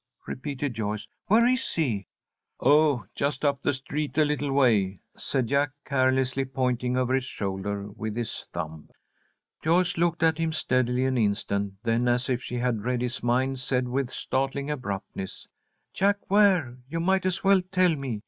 repeated Joyce. "Where is he?" "Oh, just up the street a little way," said Jack, carelessly, pointing over his shoulder with his thumb. Joyce looked at him steadily an instant, then, as if she had read his mind, said, with startling abruptness: "Jack Ware, you might as well tell me.